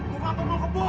bukan perempuan kebu